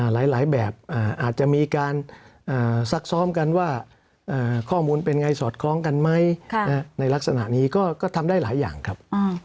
หลายแบบอาจจะมีการซักซ้อมกันว่าข้อมูลเป็นไงสอดคล้องกันไหมในลักษณะนี้ก็ทำได้หลายอย่างครับ